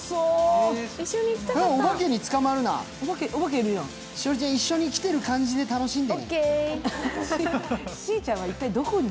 おばけに捕まるな、栞里ちゃん、一緒に来ている感じで楽しんで。